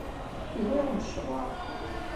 Lliɣ meccḍeɣ.